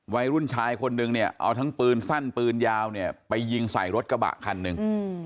วัยรุ่นชายคนนึงเนี่ยเอาทั้งปืนสั้นปืนยาวเนี่ยไปยิงใส่รถกระบะคันหนึ่ง